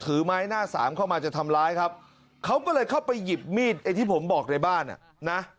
ไม้หน้าสามเข้ามาจะทำร้ายครับเขาก็เลยเข้าไปหยิบมีดไอ้ที่ผมบอกในบ้านอ่ะนะ